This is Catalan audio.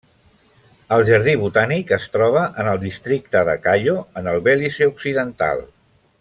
El jardí botànic es troba en el Districte de Cayo en el Belize occidental.